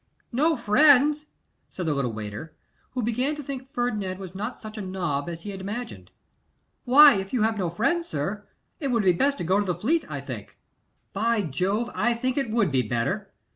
'No friends!' said the little waiter, who began to think Ferdinand was not such a nob as he had imagined. 'Why, if you have no friends, sir, it would be best to go to the Fleet, I think.' 'By Jove, I think it would be better.